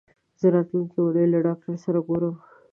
زه راتلونکې اونۍ له ډاکټر سره ګورم.